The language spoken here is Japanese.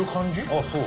あぁそう？